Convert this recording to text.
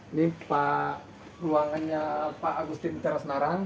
ini ruangannya pak agustin teras narang